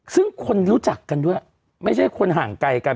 ซึ่งคนรู้จักกันด้วยไม่ใช่คนห่างไกลกัน